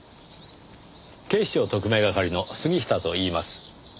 警視庁特命係の杉下といいます。